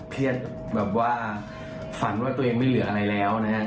แบบว่าฝันว่าตัวเองไม่เหลืออะไรแล้วนะฮะ